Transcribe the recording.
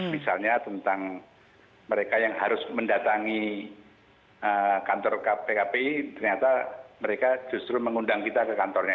misalnya tentang mereka yang harus mendatangi kantor pkpi ternyata mereka justru mengundang kita ke kantornya